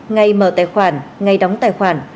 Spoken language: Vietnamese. ngày mở tài khoản ngày đóng tài khoản